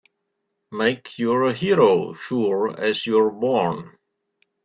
Make you're a hero sure as you're born!